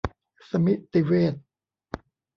สมิติเวช